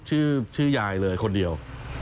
ชื่อยายเลยคนเดียว